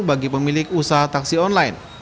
bagi pemilik usaha taksi online